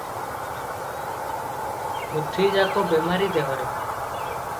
ପୃଥ୍ଵୀଯାକ ବେମାରି ଦେହରେ ।